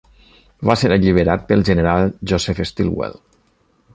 Va ser alliberat pel general Joseph Stilwell.